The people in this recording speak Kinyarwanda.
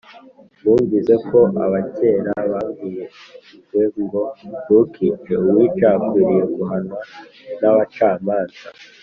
“Mwumvise ko abakera babwiwe ngo ‘Ntukice, uwica akwiriye guhanwa n’abacamanza.’